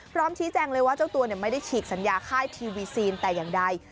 พร้อมชี้แจงเลยว่าเจ้าตัวไม่ได้ฉีกสัญญาค่ายทีวีซีนแต่อย่างใด